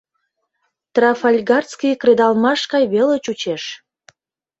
Трафальгарский кредалмаш гай веле чучеш.